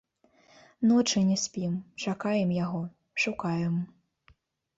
Ночы не спім, чакаем яго, шукаем.